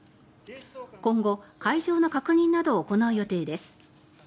今後、会場の確認などを行う予定です。